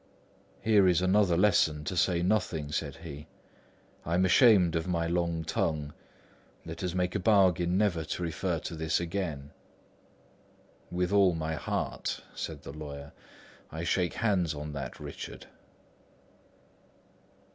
"Here is another lesson to say nothing," said he. "I am ashamed of my long tongue. Let us make a bargain never to refer to this again." "With all my heart," said the lawyer. "I shake hands on that, Richard."